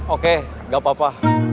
oke gak apa apa